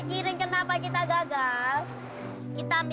kecamu tambahin jangan kejam